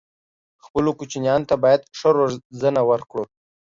خپلو کوچنيانو ته بايد ښه روزنه ورکړو